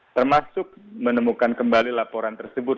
termasuk menemukan kembali laporan tersebut